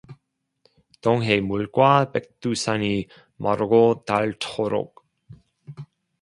동해 물과 백두산이 마르고 닳도록